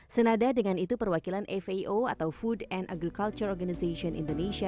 senada dengan itu perwakilan fao atau food and agriculture organization indonesia